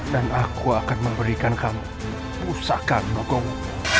dan aku akan memberikan kamu pusaka nonggongmu